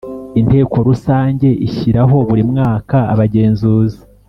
Inteko Rusange ishyiraho buri mwaka abagenzuzi